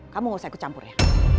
kamu gak usah ikut campurnya